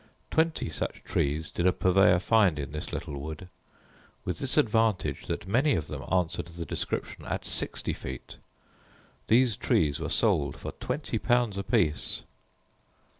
Twenty such trees did a purveyor find in this little wood, with this advantage, that many of them answered the description at sixty feet. These trees were sold for twenty pounds apiece.